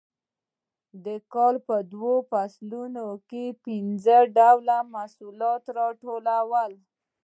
د کال په دوو فصلونو کې پنځه ډوله محصولات راټولول